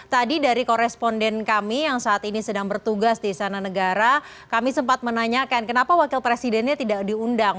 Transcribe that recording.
tadi dari koresponden kami yang saat ini sedang bertugas di sana negara kami sempat menanyakan kenapa wakil presidennya tidak diundang